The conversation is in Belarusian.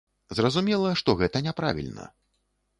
Зразумела, што гэта няправільна.